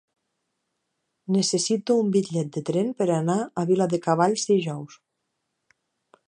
Necessito un bitllet de tren per anar a Viladecavalls dijous.